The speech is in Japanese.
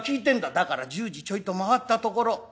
だから１０時ちょいと回ったところ。